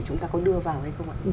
chúng ta có đưa vào hay không ạ